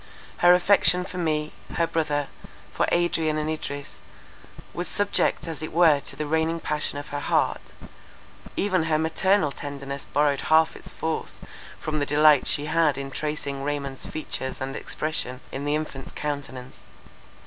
Her affection for me, her brother, for Adrian and Idris, was subject as it were to the reigning passion of her heart; even her maternal tenderness borrowed half its force from the delight she had in tracing Raymond's features and expression in the infant's countenance.